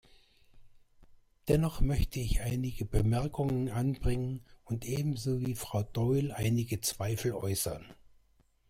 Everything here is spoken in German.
Dennoch möchte ich einige Bemerkungen anbringen und ebenso wie Frau Doyle einige Zweifel äußern.